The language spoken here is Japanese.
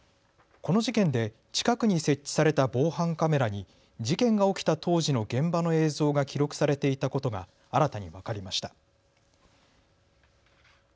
この事件で近くに設置された防犯カメラに事件が起きた当時の現場の映像が記録されていたことが新たに分かりました。